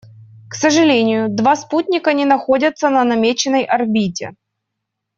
К сожалению, два спутника не находятся на намеченной орбите.